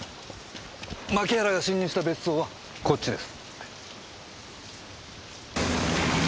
槇原が侵入した別荘はこっちです。